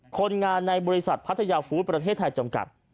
คนงานในบริษัทพัทยาฟู้ดประเทศไทยจำกัด